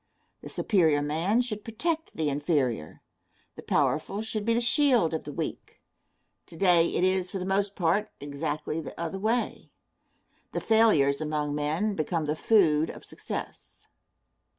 The superior man should protect the inferior. The powerful should be the shield of the weak. To day it is, for the most part, exactly the other way. The failures among men become the food of success.